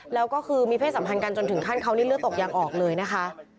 แล้วก็คือมีเพศสัมพันธ์กันจนถึงขั้นเขานี่เลือดตกยังออกเลยนะคะ